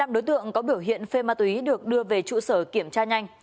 tám mươi năm đối tượng có biểu hiện phê ma túy được đưa về trụ sở kiểm tra nhanh